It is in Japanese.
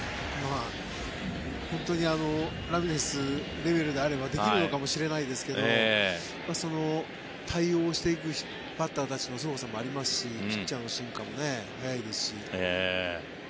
本当にラミレスレベルであればできるのかもしれないですけど対応をしていくバッターたちのすごさもありますしピッチャーの進化も早いですし。